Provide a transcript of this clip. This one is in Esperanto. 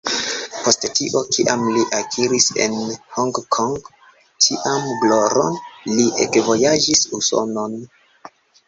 Post tio, kiam li akiris en Honkongo tian gloron, li ekvojaĝis Usonon.